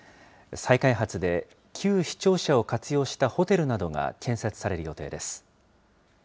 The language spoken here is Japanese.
再開発で旧市庁舎を活用したホテルなどが建設される予定です。